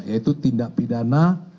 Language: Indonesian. yaitu tindak pidana